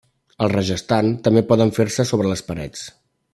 Al Rajasthan també poden fer-se sobre les parets.